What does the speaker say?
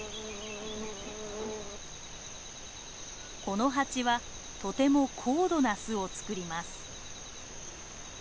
このハチはとても高度な巣を作ります。